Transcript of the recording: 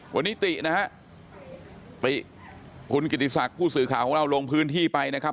วันนี้ตินะฮะติคุณกิติศักดิ์ผู้สื่อข่าวของเราลงพื้นที่ไปนะครับ